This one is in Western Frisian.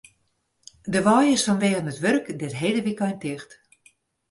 De wei is fanwegen it wurk dit hiele wykein ticht.